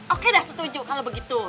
oke dah setuju kalau begitu